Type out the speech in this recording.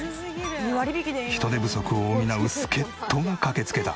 人手不足を補う助っ人が駆けつけた。